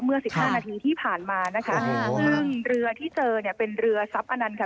สิบห้านาทีที่ผ่านมานะคะซึ่งเรือที่เจอเนี่ยเป็นเรือทรัพย์อนันต์ค่ะ